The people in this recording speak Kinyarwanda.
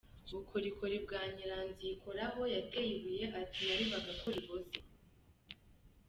Bukorikori bwa Nyiranzikoraho yateye ibuye ati narebaga ko riboze.